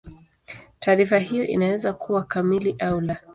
Taarifa hiyo inaweza kuwa kamili au la.